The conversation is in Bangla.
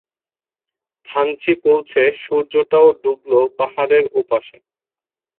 থানচি পৌছে সূর্যটাও ডুবল পাহাড়ের ওপাশে।